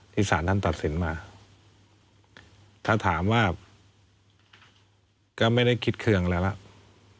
สารท่านตัดสินมาถ้าถามว่าก็ไม่ได้คิดเคืองอะไรแล้ว